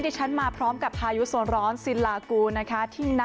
ดิฉันมาพร้อมกับพายุส้นร้อนซิลากู้นะคะที่ณ